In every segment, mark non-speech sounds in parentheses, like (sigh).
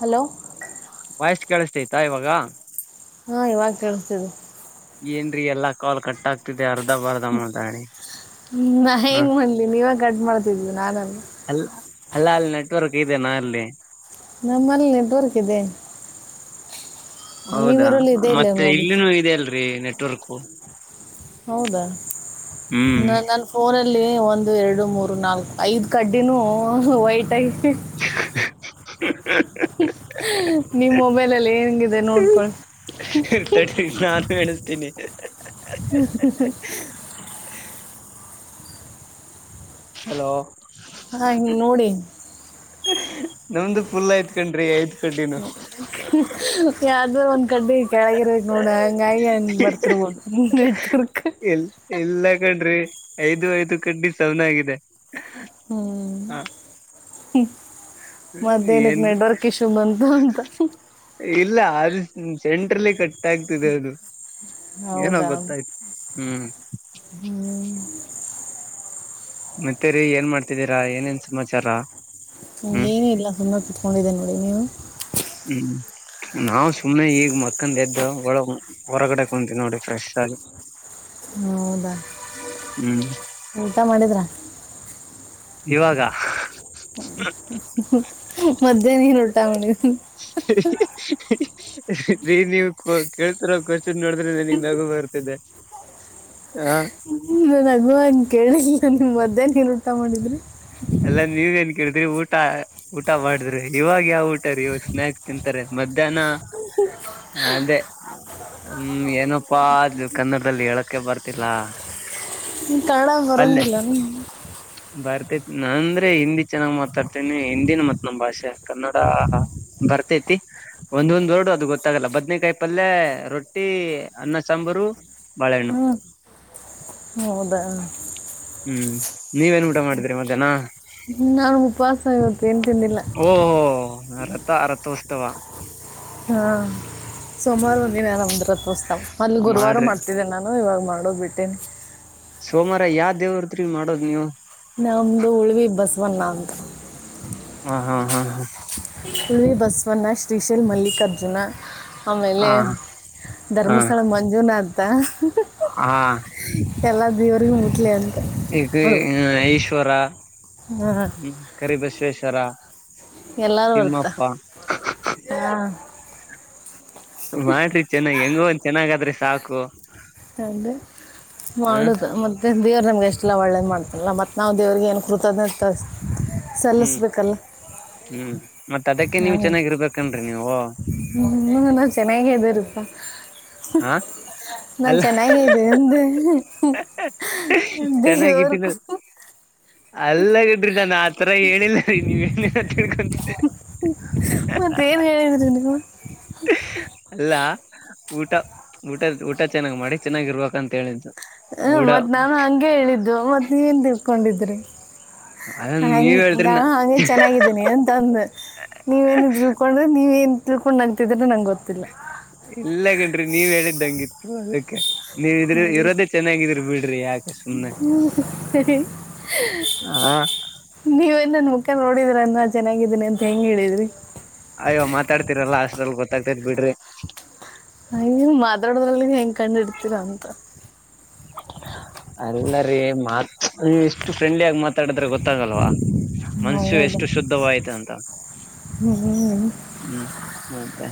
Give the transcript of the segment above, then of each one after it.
Hello voice ಕೇಳಿಸತೈತಾ ಇವಾಗ ಹಾ ಇವಾಗ ಕಳ್ಸಿದ ಏನ್ರಿೀ ಎಲ್ಲ ಕಾಲ್ ಕ ಆಗ್ತ ನಾಿ ಹ ಮಹಂತ ನೀಿವಾಗ ಕಡ್ ಮಾಡ್ತಿದ್ದ ನಾನ ಅಲ್ಲ ಅಲ್ಲ ಅಲ್ಲಿ ನೆಟ್ವರ್ಕ್ ಇದೆನಾ ಅಲ್ಲಿ ನ ಮಲ್ ನಟವಾರ್ಕ ಇೇ ಹೌದಾ ಇಲ್ಲ ಮತ್ತೆ ನೋಡಿ ಇಲ್ಲನು ಇದಲ್ರಿ ನೆಟ್ವರ್ಕು ಹೌದಾ ನ ನನ್ ಫೋನ್ ಎಲ್ಲ ಲ್ಲಿ ಒಂದು ಎರಡು ಮೂರು ನಾಲ್ಕು ಐದ್ ಕಡ್ಡಿನೂ ವೈಟ್ ಆಗಿ ಹ ನಿಮ ಮೊಬೈಲಲ್ಲಿ ಹೆಂಗಿದೆ ನೋಡ್ಕೊಳ್ಳಿ ತಡ್ರಿ ನಾನು ಹೇಳಸ್ತೀನಿ ಹಲೋ ಹಾ ಹ ನೋಡಿ ನಮ್ದು ಪುಲ್ ಆಯ್ತ್ ಕೊಡ್ರಿ ಐಯ್ತ ಅ್ರ ಒಂದ್ ಕಡ್ಡೆ ಕೆಳಗಿರ್ಬೇಕಕ್ ನೋಡ ಹಂಗಾಯ ಹಂಗ ಬರ್ತಿರ್ಬೋದು ನೆಟ್ ವರ್ಕ್ ಎಲ್ ಇಲ್ಲ ಕಣ್ರಿ ಐದು ಐದು ಕಡ್ಡಿ ಸವನಾಗಿದೆ ಹ್ಮ್ ಹ್ಮ್ ಮದೇನಕ್ಕೆ ಏನ್ ನೆಡ್ವರ್ಕ್ ಇಶೂ ಬಂತು ಅಂತ ್ಮ ಸೆಂಟ್ರಲ್ಲೇ ಕಟ್ಟ ಗೊತ್ತಾಗ್ತಿದೆ ಅದು ಏನೋ ಹೌದಾ ಗೊತ್ತಾಯ್ತು ಹ್ಮ್ ಹ್ಮ್. ಮತ್ತೇರಿ ಏನ್ ಮಾಡ್ತಿದ್ದೀರಾ ಏನೇನ್ ಸಮಾಚಾರ ಹ ಹ್ಮ್ ಏನ ಇಲ್ಲ ಸುಮ್ಮ ಕತ್ಕೊಂಡಿದ್ದೇ ನೋಡಿ ನೀವು ಹ್ಮ್ ನಾವವು ಸುಮ್ಮ್ನೆ ಈಗ್ ಮಕ್ಕಂದ ಎದ್ದು ಒಳ ಹೊರಗಡೆ ಕುಂತೀವಿ ನೋಡಿ ಫ್ರೆಶ್ ಆಗಿ ಹೌದಾ ಹ್ಮ್ ಊಟ ಮಾಡಿದ್ರಾ ಇವಾಗ ಮಧ್ಯಾಹ್ನ ನೀನು ಊಟ ಮಾಡಿದ್ರಿ ಹ ರಿ ನೀವು ಕೇಳ್ತರ ಕೋಶನ್ನ್ ನೋಡಿದ್ರೆ ನನಗ್ ನಗು ಬರ್ತಿದೆ ಹ. ನನ್ನ ಅಗುವಗೆ ಕೇಳಲಿಲ್ಲ ನೀವು ಮಧ್ಯಾಹ್ನ ಏನು ಊಟ ಮಾಡಿದ್ರಿ. ಅಲ್ಲ ನೀವ್ ಎನ್ ಕಡ್ರಿ ಊಟ ಊಟ ಮಾಡಿದ್ರಿ ಇವಾಗ್ ಯಾವ್ ಊಟ ರೀ ಇವಾಗ್ ಸ್ನಾಯಕ್ಸ್ ತಿಂತಾರೆ ಮಧ್ಯಾಹ್ನ ಅದೆ ಹ್ಮ್ ಏನಪ್ಪಾ ಅ ಕನ್ನಡ್ದಲ್ಲಿ ಹೇಳಕೆ ಬರ್ತಿಲ್ಲ. ಕನ್ನಡ ಬರೊಂಗಿಲ್ಲ ನಿಮ್ ಬರ್ತೇತಿ ನಾಂದ್ರೆ ಹಿಂದಿ ಚೆನ್ನಾಗ್ ಮಾತಾಡ್ತೇನಿ ಹಿಂದಿನ ಮತ್ ನಮ್ಮ್ ಭಾಷೆ ಕನ್ನಡ ಬರ್ತತಿ ಒಂದೊಂದ್ ವರ್ಡು ಅದು ಗೊತ್ತಾಗಲ್ಲ ಬದ್ನೇಕಾಯಿ ಪಲ್ಯ ರೊಟ್ಟಿ ಅನ್ನ ಸಾಂಬಾರು ಬಾಳೆಹಣ್ಣು. ಹೌದಾ ಹ್ಮ್ ನೀವೇನ್ ಊಟ ಮಾಡಿದ್ರಿ ಮಧ್ಯಾಹ್ನ. ನಾನು ಉಪವಾಸ ಇವತ್ತು ಏನು ತಿಂದಿಲ್ಲ ಓಹೋ ರಥ ರಥೋಸ್ಥಾವ. ಹಾ ಸೋಮ್ವಾರ ದಿನ ನಮ್ದ್ ರಥೋಸ್ತಾವ ಮೊದ್ಲು ಗುರ್ವಾರ ಮಾಡ್ರಿ ಮಾಡ್ತಿದ್ದೇನೆ ನಾನು ಇವಾಗ್ ಮಾಡೋಬಿಟ್ಟೆನ್ ಸೋಮ್ವಾರ ಯಾವ್ ದೇವ್ದ್ರಿ ಮಾಡೋದ್ ನೀವು. ನಮ್ದು ಉಳಿವಿ ಬಸವನ ಅಂತ. ಹಾ ಹಾ ಹಾ ಹಾ ಉಳ್ವಿ ಬಸವಣ್ಣ ಶ್ರೀಶೈಲ್ ಮಲ್ಲಿಕಾರ್ಜುನ. ಆಮೇಲೆ ಹಾ ಹ ಧರ್ಮಸ್ಥಳ ಮಂಜುನಾಥ್ ತ ಹಃ ಹ ಹಾ ಇವರುಗೆ ಮಿಟ್ಲೆ ಅನ್ ಈಗಿ ಈಶ್ವರ ಹ್ಮ ಕರಿಬಸ್ ಕೆಸರಾ ಎಲ್ಲಾರು ವರ್ತ ಹಾ. ಮಾಡ್ರೀ ಚೆ ಹೆಂಗು ಒಂದ್ ಚೆನ್ನಾಗಾದ್ರೆ ಸಾಕು. ಅದೇ ಹಾ ಮಾಡುದು ಮತ್ತೆ ದೇವ್ರ ನಮ್ಗ್ ಎಷ್ಟ್ ಇಲ್ಲ ಒಳ್ಳೇದ್ ಮಾಡ್ತಾನಲ್ಲ ಮತ್ ನಾವ್ ದೇವ್ರರಿಗೆ ಏನ್ ಕೃತಜ್ಞಾತ್ ಕ ಹ್ಮ್ ಸಲ್ಲಿಸ್ಬೇಕಲ್ಲ ಹ್ಮ್ ಮತ್ ಅದಕ್ಕೆ ಹ ನೀವ್ ಚೆನ್ನಾಗಿರ್ಬೇಕನ್ರಿ ನೀವು ಹು ನ ಚೆನ್ನಾಗೆ ಇದಾರಪ್ಪಾ. ಹಾ ನಾವ್ ಚೆನ್ನಾಗೆ ಇದೀವ್ ಅಂದೆ. ಹ್ಮ್ ಹ ಅ ದೇವರ್ ಕುಸ್ ಅಲ್ಲ ಗಿಡ್ರಿ ನಾನ ಆ (unintelligible) ಮತ್ ಏನ್ ಹೇಳಿದ್ರಿ ನೀವು. ಅಲ್ಲ. ಊಟ ಊಟ ಊಟ ಚೆನ್ನಾಗ್ ಮಾಡಿ ಚೆನ್ನಾಗ್ ಇರ್ಬೇಕ್ ಅಂತ ಹೇಳಿದು. ಹ್ಮ ಮತ್ತ್ ನಾನು ಹಂಗೆ ಹೇಳಿದ್ದು ಮತ್ (unintelligible) ಕೊಂಡಿದ್ರಿ ಅದನ್ ನೀವ್ ಹಗೆ ಹೇಳ್ರಿ ನಾ ನ ಹಗೆ ಚೆನ್ನಾಗಿದ್ದೀನಿ ಅಂತಂದೆ ನೀವೇನ್ (unintelligible) ನೀವೇನ್ ತಿಳ್ಕೊಂಡ್ ನಗ್ತಿದ್ರೆ ನಂಗೆ ಗೊತ್ತಿಲ್ಲ. ಇಲ್ಲಗಂನ್ರೀ ನೀವ್ ಹೇಳಿದ್ದಂಗಿತ್ತು ಅದಿಕ್ಕೆ ಯಾಕೆ ನೀವೇನ್ ಸುಮ್ನೆ ಹ (unintelligible) ಅಕ್ಕ ನೋಡಿದ್ರ ಯನ್ನ ಚೆನ್ನಾಗಿದಿನಿ ಅಂತ ಹೆಂಗ ಹೇಳಿದ್ರಿ ಅಯ್ಯೋ ಮಾತಾಡ್ತಿರಲ್ಲ ಅಷ್ಟ್. ಗೊತ್ತಾಗ್ತಾಯಿದ್ ಬಿಡ್ರಿ (unintelligible) ಕಂಡಿಡ್ತೀರಾ ಅಂತ. ಅದಲ್ಲ ರೀ ಮಾತ್ ನೀ ಎಷ್ಟು ಫ್ರೆಂಡ್ಲಿ ಆಗ ಮಾತಾಡಿದ್ರೆ ಗೊತ್ತಾಗಲ್ವಾ. ಮನ್ಷ್ಯು ಹೌದಾ ಎಷ್ಟು ಶುದ್ಧವಾಯ್ತ ಅಂತ ಹ್ಞೂ ಹ್ಮ್ ಮತ್ತೆ.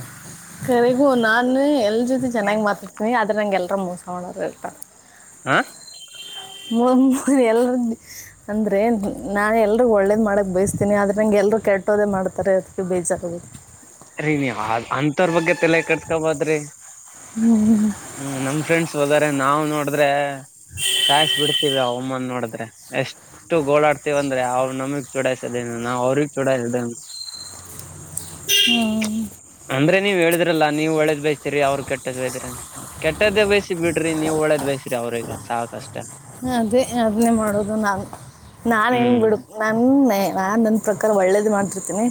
ಕರೆಗೂ ನಾನ್ ಎಲ್ ಜೊತೆ ಚೆನ್ನಾಗಿ ಮಾತಾಡ್ತೀನಿ. ಅದ್. ನಂಗೆಲ್ರು ಮೋಸ ಮಾಡೋರು ಇರ್ತ. (inaudible) (unintelligible) ಎಲ್ರು ಅಂದ್ರೆ ನಾನ್ ಎಲ್ರು ಒಳ್ಳೇದ್ ಮಾಡಕ್ ಬಯಸ್ತೀನಿ ಆದ್ರ ನಂಗೆ ಎಲ್ರುೂ ಕೆಟ್ಟೋದೇ ಮಾಡ್ತಾರೆ ಅದಕ್ಕೆ ಬೇಜಾರು. ರೀ ನೀವು ಅಂತವರ್ ಬಗ್ಗೆ ತಲೆ ಕಟ್ಸ್ಕೊಬದ್ರಿ ಹ್ಮ್ ನಮ್ ಫ್ರೆಂಡ್ಸ್ (unintelligible) ನಾವ್ ನೋಡಿದ್ರೆ ಸಾಯಸ್ ಬಿಡ್ತೀವಿ ಅವ ಒಮ್ಮನ್ ನೋಡ್ರೆ ಎಷ್ಟು ಗೋಳಾಡ್ತಿವಂದ್ರೆ ಅವ್ರು ನಮಗ್ ಚೂಡಾಯ್ಸದೇನು ನಾವ್ ಅವ್ರಿಗ್ ಚೂಡಾಯಸದೇನು. ಹ್ಮ್. ಅಂದ್ರೆ ನೀವ್ ಹೇಳಿದ್ರಲ್ಲಾ ನೀವು ಒಳ್ಳೇದ್ ಬಯಸ್ತೀರಿ ಅವ್ರ ಕೆಟ್ಟದ್ ಬೈದ್ರಿ ಕೆಟ್ಟದ್ದೇ ಬಯಸಿ ಬಿಡ್ರಿ ನೀವು ಒಳ್ಳೇದ್ ಬೈಸ್ರಿ ಅವ್ರಿಗೆ ಸಾಕ್ ಅಷ್ಟೇ. ಅದೇ ಅದನ್ನೇ ಮಾಡುದು ನಾನು ನಾನೇನ್ ಹ್ಮ್ ಬಿಡು ನನ್ನ ನಾನಂತ. ಒಳ್ಳೇದ್ ಮಾಡ್ತಿರ್ತೀನಿ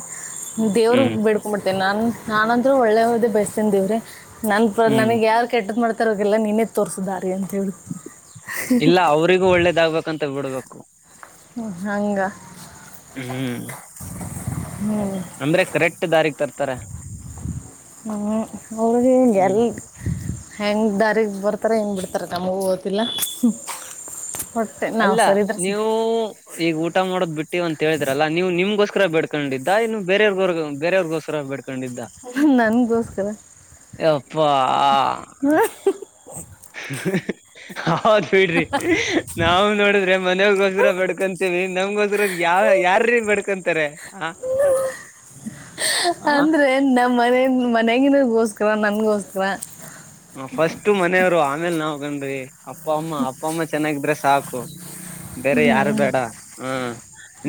ದೇವ್ರ ಹ್ಮ್ ಬೆಡ್ಕೊ ಬಿಡ್ತೀನಿ ನಾನು. ನಾನಂದ್ರೂ ಒಳ್ಳೆ ಹೋದೆ ಬಯಸಿತೀನಿ ದೇವ್ರೇ ನನ್ಪ್ರ ಹ್ಮ್ ನನಗ್ ಯಾರ ಕೆಟ್ಟದ ಮಾಡ್ತ. ಅವ್ರ್ಗೆಲ್ಲ ನೀನೇ ತೋರಿಸು ದಾರಿ ಅಂತ (unintelligible) ಅವ್ರರಿಗು ಒಳ್ಳೇದಾಗ್ಬೇಕಂತ ಬಿಡ್ಬೇಕು. ಹ್ಮ ಹಂಗ. ಹ್ಮ್. ಅಂದ್ರೆ ಕರೆಕ್ಟ್ ದಾರಿ ತರ್. ತರೆ ಹ್ಮ್ (unintelligible) ಹೆಂಗ ದಾರಿಗ ಬರ್ತಾರ ಹೆಂಗ ಬಿಡ್ತಾರೊ ನಮಗೂ ಗೊತ್ತಿಲ್ಲಾ ಹ್ಮ್. ಅಲ್ಲ ನೀವು ಈಗ ಊಟ ಮಾಡೋದ್ ಬಿಟ್ ಟಿವ ಅಂತ ಹೇಳಿದ್ರಲ್ಲ ನೀವು ನಿಮ್ಗೋಸ್ಕರ ಬೇಡ್ಕೊಂಡಿದ್ದ ಏನ ಬೇರವ್ರಗ ಬೇೆರೆವರ್ಗೋಸ್ಕರ ಬೇಡ್ಕೊಂಡ್ ಕಂಡಿದ್ದ ನನ್ಗೋಸ್ಕರ ಯಪ್ಪಾ. ಹಾ. ಹೌದ ಬಿಡ್ರಿ. ನಾವು ನೋಡಿದ್ರೆ ಮನೆವ್ರಗೋಸ್ತಾರ ಬಡ್ಕೊಂತೇವಿ ನಮಗೋಸ್ರ ಯಾವ ಯಾರ್ರೀ ಬೇಡ್ಕೊಂತಾರೆ ಆ ಹ. ಮನ ಮನ್ಯಾಗೀನಾರ ಗೋಸ್ಕರ ನನ್ಗೋಸ್ಕರ. ಹ ಫಸ್ಟು ಮನೆಯವ್ರು ಆಮೇಲೆ ನಾವ್. (inaudible) ಅಪ್ಪ ಅಮ್ಮ ಅಪ್ಪಮ್ಮ ಚೆನ್ನಾಗಿದ್ರೆ ಸಾಕು ಬೇರೆ ಯಾರು ಹ್ಮ್ ಬೇಡ ಹ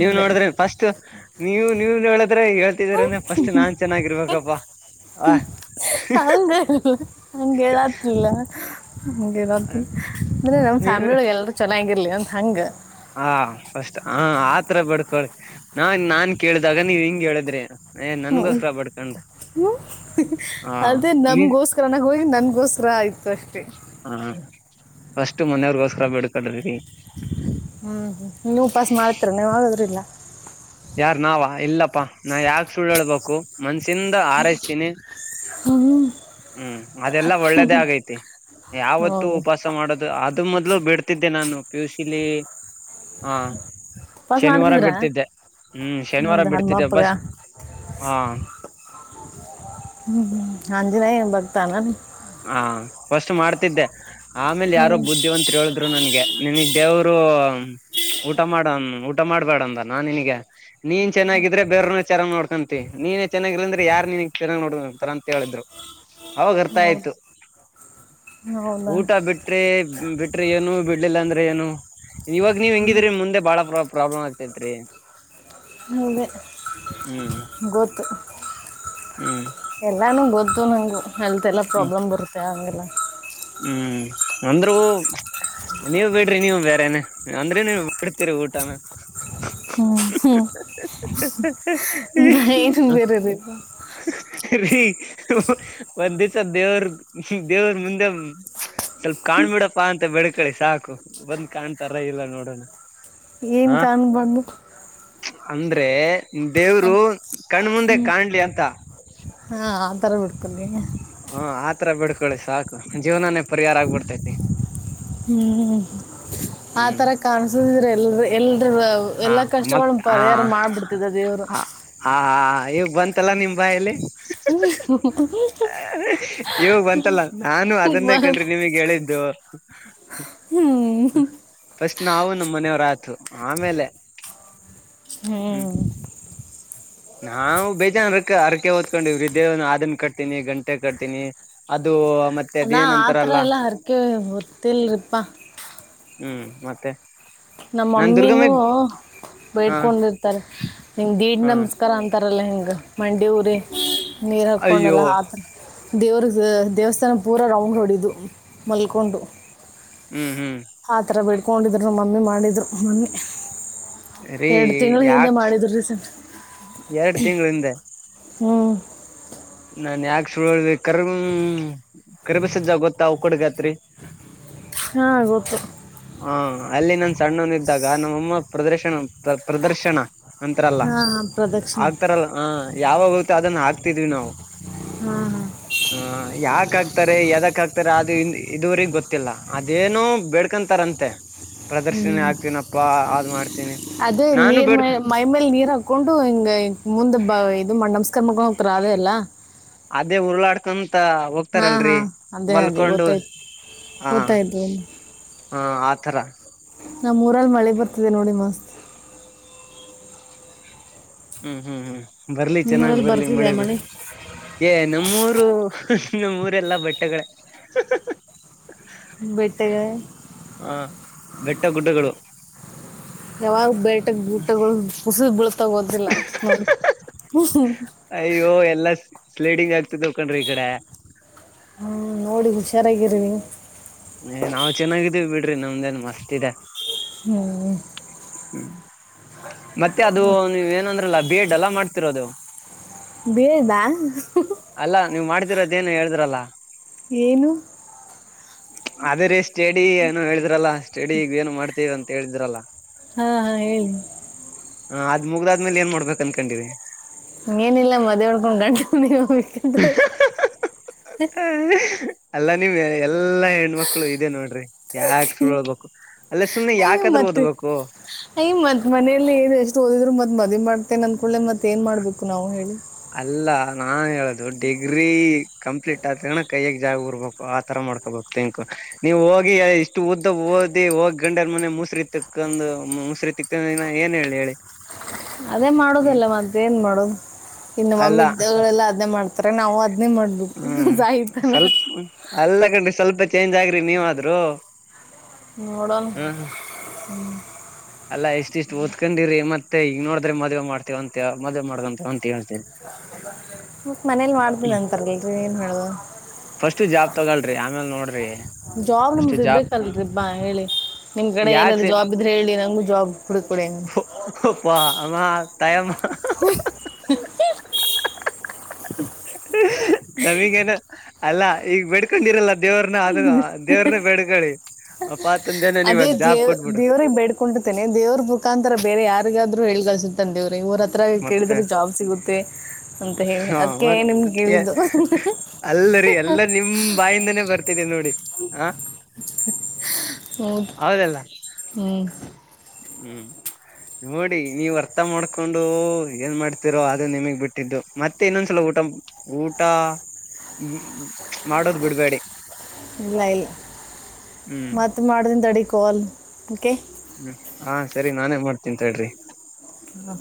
ನೀವು್ ಅದೇ ನೋಡಿದ್ರೆ ಫಸ್ಟ್ ನೀವು ನೀವು ನೋಡಿದ್ರೆ ಹೇಳ್ತಿದೀರ ಅಂದ್ರೆ ಫಸ್ಟ್ ನಾನ್ ಚೆನ್ನಾಗಿರ್ಬೇಕಪ್ಪಾ. ಹ. (unintelligible) ಇಲ್ಲಾ. ಹ ಅಂದ್ರೆ ನಮ್ ನೀ ಫ್ಯಾಮಿಲಿ ಒಳಗ್ ಎಲ್ಲರೂ ಚೆನ್ನಾಗಿರ್ಲಿ ಅನ್ ಹಂಗ್. ಹಾ ಫಸ್ಟ್ ಹ ಆತರ ಬೇಡ್ಕೊಳಿ ನಾ ನಾನ್ ಕೇಳಿದಾಗ ನೀವ್ ಹಿಂಗ ಹೇಳಿದ್ರಿ. ಏ ನನ್ಗೋಸ್ಕರ ಬಡ್ಕೊಂಡ್ರಿ ಹ್ಮ್ಮ ಹ ಅದೇ ನೀ ನಮ್ಗೋಸ್ಕರನ ಹೋಗಿ ನನ್ಗೋಸ್ಕರ ಆಯ್ ತು ಅಷ್ಟೆ. ಹಾ ಫಸ್ಟ್ ಮನೆಯವ್ರಗೋಸ್ಕರ ಬೇಡ್ಕಡ್ರಿ. ಹ್ಮ್ ಹ್ಮ್ ನೀ ಉಪಾಸ ಮಾಡ್ತೀರಿ ಏನ ಯಾವಾಗಾದ್ರ ಇಲ್ಲ. ಯಾರ್ ನಾವ ಇಲ್ಲಪ್ಪಾ ನಾ ಯಾಕ ಸುಳ್ಳ ಹೇಳ್ಬೇಕು ಮನ್ಸಿಂದ ಆರೈಸ್ತೀನಿ ಹ್ಞೂ ಹ್ಮ್ ಅದೆಲ್ಲಾ ಒಳ್ಳೇದೇ ಆಗೈತಿ ಯಾವತ್ತುೂ ಹೌದು ಉಪವಾಸ ಮಾಡೋದು ಆದ ಅದು ಮೊದ್ಲು ಬಿಡ್ತಿದ್ದೆ ನಾನು ಪಿ ಯು ಸಿ ಲಿ. ಹಾ ಉಪವಾಸ ಶನಿವಾರ ಮಾಡ್ತಿದ್ರಾ ಬಿಡ್ತಿದ್ದೆ. ಹ್ಮ ಶನಿವಾರ ಹೌದಾ ನಮ್ಮ ಬಿಡ್ತಿದ್ದ ಅಪ್ಪಗ ಬಸ್ ಹಾ. ಹ್ಮ್ ಹ್ಮ್ ಆಂಜನೇಯನ ಬಕ್ ಹಾ ಫಸ್ಟ್ ಮಾಡ್ತಿದ್ದೆ ಆಮೇಲೆ ಯಾರೋ ಹ್ಮ್ ಬುದ್ಧಿವಂತ್ರ ಹೇಳಿದ್ರು ನನ್ಗೆ ನಿನಗ್ ದೇವರು. ಊಟ ಮಾಡಣ ಊಟ ಮಾಡ್ಬೇಡಂದ ನೀನಗ ನೀನ್ ಚೆನ್ನಾಗಿದ್ರೆ ಬೇರನ ಚೆನ್ನಾಗ್ ನೋಡ್ಕೊಂತಿ ನೀನೇ ಚೆನ್ನಾಗಿಲಂದ್ರೆ ಯಾರಾರ್ ನೀಿನಗ್ ಚೆನ್ನಾಗ್ ನೋಡ್ಕೊಂತಾರ ಅಂತ ಹೇಳಿದ್ರು ಅವಾಗ. ರ್ಥಾ ಹೌದು ಆಯ್ತು ಹೌದಾ ಊಟ ಬಿಟ್ರೆ ಬಿಟ್ರೆ ಏನು ಬಿಡ್ಲಿಲ್ಲ ಅಂದ್ರೆ. ದ್ರೆ ಏನು. ಇವಾಗ ನೀವ ಹೆಂಗಿದ್ರೆ ಮುಂದೆ ಬಾಳ ಪ್ರ ಪ್ರಾಬ್ಲಮ್ ಆಗ್ತತ್ ರಿ. ಹಂಗೆ ಗೊತ್ತು. ಹ್ಮ್ ಎಲ್ಲಾನು. (unintelligible) (unintelligible) ಹೆಲ್ತ್ ಎಲ್ಲ ಹ್ಮ್ ಪ್ರಾಬ್ಲಮ್ ಬರುತ್ತೆ ಅಗೆ. (unintelligible) ಹ್ಮ್ ಅಂದ್ರು ನೀವು ಬಿಡ್ರಿ ನೀವು ಬೇರೆನೆ ಅಂದ್ರೆ ನೀ ಬಿಡ್ತೀರಿ ಊಟನ. ಹ್ಮ್ ಹ್ಮ (unintelligible) ಒಂದು ದಿವಸ ದೇವರು ದೇವರ್ ಮುಂದೆ. (inaudible) ಸ್ವಲ್ಪ ಕಾಣ್ಬಿಡಪ್ಪಾ ಅಂತ ಬೇಡಿಕೋ. ಬೇಡಕೋಳಿ ಸಾಕು ಬಂದ್ ಕಾಣ್ತಾರ ಇಲ್ಲ ನೋಡೋಣ. ಏನು ಹ ಕಾಣುತ್ತೆ ಬಂದು. ಅಂದ್ರೆ. ದೇವ್ರು ಕಣ್ಮುಂದೆ ಕಾಣ್ಲಿ ಅಂತ. (unintelligible) ಹ ಆತರ ಬೇಡ್ಕೊಳ್ಳಿ ಸಾಕು ಜೀವನಾನೇ. ಪರಿಹಾರ ಆಗ್ಬಿಡ್ತೈತಿ ಹ್ಮ್ ಹ್ಮ್ ಆತರ ಕಾಣ್ಸುದಿದ್ರ ಎಲ್ಲರೂ. (unintelligible) ಅ ಹಾ ಎಲ್ಲಾ ಕಷ್ಟಗಳ ಮತ್ ಹಾ ಪರಿಹಾರ ಮಾಡ್ಬಿಡ್ತಿದ ದೇವ್ರು. ಈಗ ಬಂತಲ್ಲಾ ನಿಮ್ಮ್ ಬಾಯಲ್ಲಿ. (unintelligible) ಹ್ಞೂ ಇವಾಗ ಬಂತಲ್ಲ ನಾನು ಅದನ್ನೇ ಕಂಡ್ರಿ ನಿಮಗ್ ಹೇಳಿದ್ದು. ಹ್ಞೂ ನಾವು ನಮ್ಮ್ ಮನೆಯವ್ರ ಆತು. ಆಮೇಲೆ. ಹ್ಮ್. ನಾವು ಬೇಜಾನ. ಅರಕೆ ಹೊತ್ಕೊಂಡಿವ್ರಿ (unintelligible) ಕಟ್ತೀನಿ ಗಂಟೆ ಕಟ್ತೀನಿ ಅದು. ಮತ್ತೆ ಅಲ್ಲ ಆತರ ಅದೇನಂತಾರಲ್ಲ ಎಲ್ಲಾ ಅರ್ಕೆ ಹೊತಿಲ್ರಪ್ಪ. ಹ್ಮ್ ಮತ್ತೆ. ನಾನ್ ನಮ್ಮಮ್ಮಿನೂ ದುರ್ಗಮ್ಮೆಗ್ ಹಾ ಬೇಡ್ಕೊಂಡಿರ್ತಾರೆ ನಿಮ ದೀಡ್ ಹಾ ನಮಸ್ಕಾರ ಅಂತ. ತಾರಲ್ಲ ಹಿಂಗ ಮಂಡಿ ಊರಿ. ನೀರು ಹಾಕ್ಕೊಂಡಲ್ಲ ಅಯ್ಯೋ ಆ ಥರ. ದೇವ್ರ ದೇವಸ್ಥಾನ ಪೂರ ರೌಂಡ್ ಒಡಿಯದು ಮಲ್ಕೊಂಡು. ಹ್ಮ್ ಹ್ಮ್ ಆ ಥರ ಬೇಡ್ಕೊಂಡಿದ್ರು ನಮ್ಮ ಮಮ್ಮಿ ಮಾಡಿ. ಮಾಡಿದ್ರು ಮೊನ್ನೆ. ರೀ ಎರಡು ತಿಂಗಳ ಹಿಂದೆ ಯಾಕ್ ಮಾಡಿದ್ರು ರೀ ಸರ್ ಎರಡ್ ತಿಂಗಳ ಹಿಂದೆ ಹ್ಮ್ ನಾನ್ ಯಾಕ ಶುರು ಹಳ್ಬೇಕರ ಕರಿಬಿಸಿದ ಜಾಗತ್ತ ಅವಕಡ್ಗತ್ರಿ ಹಾ ಗೊತ್ತ ಹಾ ಅಲ್ಲಿ ನನ್ ಸಣ್ಣವನ ಇದ್ದಾಗ ನಮ್ಮಮ್ಮ ಪ್ರದರ್ಶನ ಪ್ರ ಪ್ರದರ್ಶನ ಅಂತರಲ್ಲ ಹಾಂ ಹಾಂ ಪ್ರದಕ್ಷಿಣೆ ಆಗ್ತಾರಲ್ಲ ಹ ಯಾವಾಗ ಅದನ್ನ ಹಾಕ್ತಿದ್ವಿ ನಾವು ಹ್ಮ್ ಹ್ಮ ಹ ಯಾಕ ಆಗ್ತಾರೆ ಯದಕ್ ಆಗ್ತಾರೆ ಅದು ಇದುವರಿಗ್ ಗೊತ್ತಿಲ್ಲ ಅದೇನ ಬೆಡ್ ಕಂತರಂತೆ ಪ್ರದರ್ಶನಿ ಹ್ಞೂ ಆಗ್ತನಪ್ಪಾ ಮಾಡ ಅದೇ ನೀರ್ ಮ ಮೈ ಮೇಲ್ ನೀರ್ ಹಾಕೊಂಡು ಹಿಂಗ ಮುಂದ ಬ ಇದು ನಮಸ್ಕಾರ ಮ ತ್ರರ ಅದೇ ಅಲ್ಲ ಅದೇ ಉರುಳಾಡ್ಕನ್ ಮತ್ತ ಹಾಂ ಹೋಗ್ತಾರಲ್ರರಿ ಹಾಂ ಅದೇ ಅದೇ ಮಲ್ಕೊಂಡು ಗೊತ್ತಾಯ್ತು ಹ ಓದ್ತಾ ಇದ್ವು ಹಾ ಆತರ ನಮ್ಮೂರಲ್ಲಿ ಮಳೆ ಬರ್ತಿದೆ ನೋಡಿ ಮಸ್ತ್ ಹ್ಮ್ ಹ್ಮ್ ಹ್ಮ್ ಬರ್ಲಿ ಚೆನ್ನಾಗ್ ನಿಮ್ಮೂರಲ್ಲಿ ಬರ್ಲಿ ಬರ್ತಿದೆ ಮಳೆ ಏ ನಮ್ಮೂ ನಮ್ಮ್ೂರೆಲ್ಲಾ ಬಟ್ಟೆಗಳ ಬೆಟ್ಟಗೆ ಹ ಘಟ್ಟ ಗುಡ್ಡಗಳು ಯಾವಾಗ ಬೇಟಕ್ ಬಊಟಗಳು ಕುಸಿದ್ ಬಿಳತಗೋದಿಲ್ಲ ನೋಡಿ ಅಯ್ಯೋ ಎಲ್ಲಾ ಸ್ಲೈಡಿಂಗ್ ಆಗ್ತತಿ ತಕೊಂಡ್ರಿ ಈ ಕಡೆ ಹ್ಮ್ ನೋಡಿಗ ಹುಷಾರಾಗಿಿರಿ ನಾವು ಚೆನ್ನಾಗಿದೀವಿ ಬಿಡ್ರಿ ನಮ್ದೇನ್ ಮಸ್ತ್ ಇದೆ ಹ್ಮ್ (inaudible) ಮತ್ತೆ ಅದು ನೀವ ಏನಂದ್ರಲ್ಲ ಬೇಡ್ ಎಲ್ಲ ಮಾಡ್ತೀ ಉತರೋದು ಬರೆ ಬಾ ಿರದೇಏ ಹೇಳಿದ್ರಲ್ಲಾ ಏನು ಅದೇ ರೀ ಸ್ಟೇಡಿ ಏನೋ ಹೇಳಿದ್ರಲ್ಲ ಸ್ಟಡಿೀಗ ಏನು ಮಾಡ್ತೀವಿ ಅಂತ ಹೇಳಿದ್ರಲ್ಲ ಹಾ ಹಾ ಹೇಳಿ ಹ ಅದ ಮುಗ್ದಾದ್ಮೇಲೆ ಏನ್ ಮಾಡ್ಬೇಕು ಅನ್ಕೊಂಡಿವಿ ಏನಿಲ್ಲ ಮದೇವೆ ಮಾಡ್ಕೊಂಡ ಗಂಡ ಮನಿ ಹೋಗಬೇಕು ಅಂಕೊಂಡಿದಿನಿ ಅಲ್ಲಾ ನಿಮ್ ಎಲ್ಲಾ ಹೆಣ್ಮಕ್ಳು ಇದೆ ನೋಡ್ರಿ ಯಾಕ ಸುಳ್ಳ್ಬೇಕು ಅಲ್ಲ ಸುಮ್ಮನೆ ಯಕಾದ್ರೂ ಓದಬೇಕು ಅಯ ಮತ್ತ್ ಮನೇಲಿ ಎಷ್ಟು ಓದಿದ್ರು ಮತ್ ಮ ದೀ ಮಾಡ್ತ ನಂತ ಹೊಳ್ಳೆ ಮತ್ತ ಏನು ಮಾಡಬೇಕು ನಾವು ಹೇಳಿ ಅಲ್ಲ ನಾನ್ ಹೇಳುದು ಡಿಗ್ರಿ ಕಂಪ್ಲೀಟ್ ಆದನ ಕೈಯ್ಯಗ್ ಜಾಗ ಉರ್ಬೇಕು ಆತರ ಮಾಡ್ಕೊಬು ತಿೆಂಕು ನೀವ್ ಹೋಗಿ ಇಷ್ಟು ಉದ್ದ ಓದಿ ಹೋಗಿ ಗಂಡ್ಯಲ್ ಮನೆ ಮುಸ್ರಿತ್ತಕ್ಂದು ಮುಸರಿತಿಕ್ ಏನ್ ಹೇಳಿ ಹೇಳಿ ಅದೇ ಹ್ಮ್ ಮಾಡೋುದಲ್ಲ ಮದೆ ಏನ್ ಮಾಡೋುದು ಇನ್ನು ಅಲ್ಲ ಮಮ್ಮಿವಗಳೆಲ್ಲ ಅದ್ ಮಾಡ್ತಾರೆ ನಾವು ಅದ ಮಾಡ್ದು ಹ್ಮ್ ಜಹಿತಲ್ಲ ಸ್ವಲ್ಪ ಅಲ್ಲ ಕಣ್ರಿ ಸ್ವಲ್ಪ ಚೇಂಜ್ ಆಗ್ರಿ ನೀವಾದ್ರುೂ ನೋಡೋಣ ಹ್ಮ್ ಅಲ್ಲಾ ಇಷ್ಟ ಇಷ್ಟ್ ಓದ್ಕೊಂಡಿರಿ ಮತ್ ಮತ್ತೆ ಈಗ ನೋಡಿದ್ರೆ ಮದ್ವೆ ಮಾಡ್ತೇವ ಅಂತ ಮದ್ ಮಾಡಕಂತೇವ ಅಂತ ಹೇಳ್ತಿ ಮತ್ ಮನೇಲ್ ಮಾಡ್ದಿನನ ಅಂತಾರಲ್ರಿ ಏನ್ ಹ ಫಸ್ಟ್ ಜಾಬ್ ತಗೋಲ್್ರಿ ಆಮೇಲ್ ನೋಡ್ರಿ ಜಾಬ್ ನಮ ಫಸ್ಟ್ ಜಾಬ್ ಸಿರ್ಬೇಕಲ್ರಿ ಬಾ ಹೇಳಿ ನಿಮ್ ಕಡೆ ಯಾಕ್ ಏನಾದ್ರೂ ಸಿ ಜಾಬ್ ಇದ್ರೆ ಹೇಳಿ ನಂಗಗು ಜಾಬ್ ಕುಡ ಕೊಡಿ ಅಪ್ಪಾ ಅಮ್ಮ ತಾಯಮ್ಮ ಹ ನಮಗೇನು ಅಲ್ಲ ಈಗ ಬಿಡ್ಕೊಂಡಿರಲ್ಲ ದೇವ್ರನ್ನ ಅದನ್ನು ದೇವ್ರ್ದ ಬೆೇಗಿ ಅ ಅದೇ ದೇವ್ ದೇವ್ರಿಗೆ ಬೇಡ್ಕೊಂಡಿರ್ತೇನೆ ದೇವ್ರ ಮುುಖಾಂತರ ಬೇರೆ ಯಾರಿಗಾದ್ರು ಹ ಗ ತಂದ ಇವರ ಹತ್ರ ಮತ್ತೆ ಕೇಳಿದರೆೆ ಜಾಬ್ ಸಿಗುತ್ತೆ ಅಂತ ಹೇಳಿ ಹ ಅದಕ್ಕೆ ಮತ್ ನಿಮ್ಗೆ ಕೇಳಿದ್ದು ಅಲ್ಲರಿ ಎಲ್ಲಾ ನಿಮ್ ಬಾಯಿಂದಾನೇ ಬರ್ತಿದೆ ನೋಡಿ ಹ ಹ್ಮ್ ಹೌದಲ್ಲ ಹ್ ಹ್ಮ್ ನೋಡಿ ನೀವ್ ಅರ್ಥ ಮಾಡ್ಕೊಂಡು ಏನ್ ಮಾಡ್ತಿೀರೋ ಅದುೇ ನಿಮಗ್ ಬಿಟ್ಟಿದ್ದು ಮತ್ತೆ ಇನ್ನೊಂದ್ಸಲ ಊಟ ಊಟ ಮಾಡೋದು ಬಿಡ್ಬೇಡಿ ಇಲ್ಲ ಇಲ್ಲ ಹ್ಮ್ ಮತ್ತ ಮಾಡ್ತೀನಿ ತಡಿ ಕಲ್ ಓಕೆ ಹ್ಮ್ ಹಾ ಸರಿ ನಾನೇ ಮಾಡ್ತೀನ್ಂತ ತಡ್ರಿ ಹ